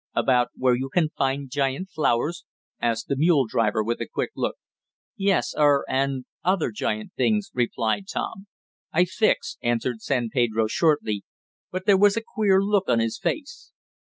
"About where you can find giant flowers?" asked the mule driver with a quick look. "Yes er and other giant things," replied Tom. "I fix," answered San Pedro shortly, but there was a queer look on his face.